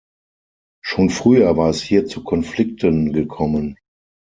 Schon früher war es hier zu Konflikten gekommen.